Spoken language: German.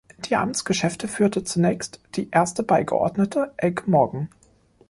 Die Amtsgeschäfte führte zunächst die Erste Beigeordnete Elke Morgen.